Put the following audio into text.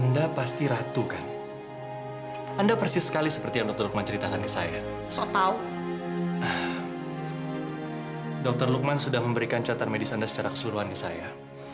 dr lukman sudah memberikan catatan medis anda secara keseluruhan ke saya